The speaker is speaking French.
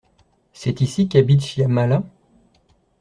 C’est ici qu’habite Shyamala ?